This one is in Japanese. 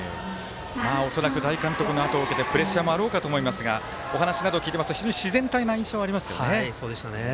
恐らく大監督のあとを受けてプレッシャーもあろうかと思いますがお話などを聞いていますと非常に自然体の印象ありますよね。